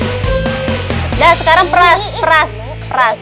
udah sekarang peras peras peras